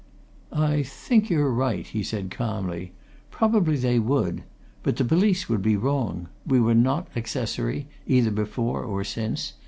"I think you're right," he said calmly. "Probably they would. But the police would be wrong. We were not accessory, either before or since.